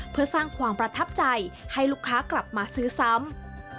เพื่อสร้างความประทับใจให้ลูกค้ากลับมาซื้อซ้ำ